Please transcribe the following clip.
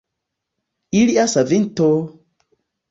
Ilia savinto!